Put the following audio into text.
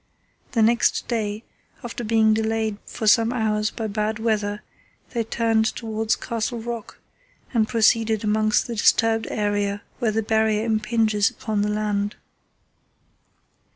The next day, after being delayed for some hours by bad weather, they turned towards Castle Rock and proceeded across the disturbed area where the Barrier impinges upon the land.